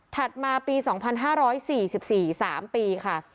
ถัดมาปีสองพันห้าร้อยสี่สิบสี่สามปีค่ะ